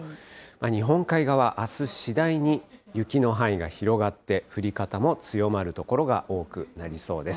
日本海側、あす次第に雪の範囲が広がって、降り方も強まる所が多くなりそうです。